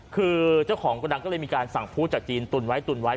คือเจ้าของกระดังก็เลยมีการสั่งพูดจากจีนตุนไว้ตุนไว้